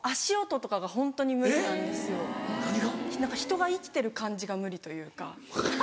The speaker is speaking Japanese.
人が生きてる感じが無理というか。